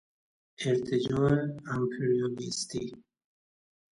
ارتجاع امپریالیستی